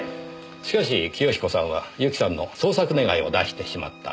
しかし清彦さんはユキさんの捜索願を出してしまった。